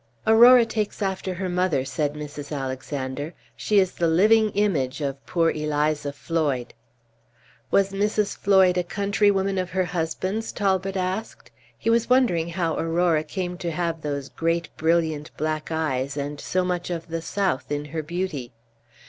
"Aurora takes after her mother," said Mrs. Alexander; "she is the living image of poor Eliza Floyd." "Was Mrs. Floyd a countrywoman of her husband's?" Talbot asked. He was wondering how Aurora came to have those great, brilliant black eyes, and so much of the south in her beauty.